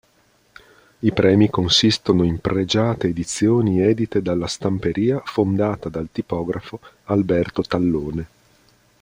I premi consistono in pregiate edizioni edite dalla stamperia fondata dal tipografo Alberto Tallone.